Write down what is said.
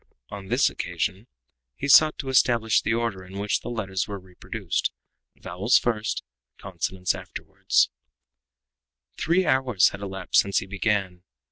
On this occasion he sought to establish the order in which the letters were reproduced vowels first, consonants afterward. Three hours had elapsed since he began.